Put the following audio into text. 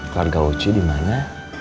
keluarga ucuy dimana